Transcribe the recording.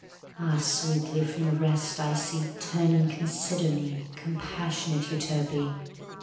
(Ah, sweetly from the rest I see Turn and consider me Compassionate Euterpe!)